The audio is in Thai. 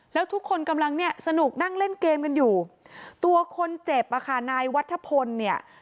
แล้วทุกคนกำลังเนี่ยสนุกนั่งเล่นเกมกันอยู่ตัวคนเจ็บอ่ะค่ะนายวัฒพลเนี่ย